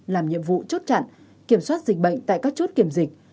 làm nhiệm vụ chốt chặn kiểm soát dịch bệnh tại các chốt kiểm dịch